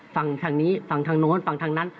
ฟังทางนี้ฟังทางโน้นฟังทางนั้น